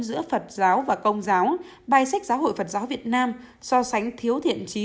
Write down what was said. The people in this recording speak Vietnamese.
giữa phật giáo và công giáo bài sách giáo hội phật giáo việt nam so sánh thiếu thiện trí